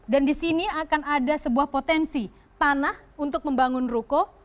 dan di sini akan ada sebuah potensi tanah untuk membangun ruko